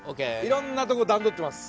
色んなとこ段取ってます。